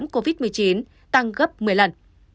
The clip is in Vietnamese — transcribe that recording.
covid một mươi chín tăng gấp một mươi lần